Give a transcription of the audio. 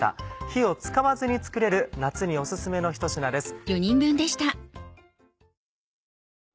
火を使わずに作れる夏にお薦めのひと品です。